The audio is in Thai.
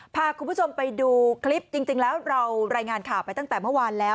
พาคุณผู้ชมไปดูคลิปจริงแล้วเรารายงานข่าวไปตั้งแต่เมื่อวานแล้ว